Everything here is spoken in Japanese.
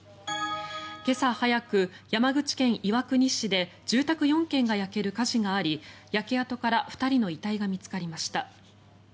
今朝早く、山口県岩国市で住宅４軒が焼ける火事があり焼け跡から２人の遺体が見つかりました。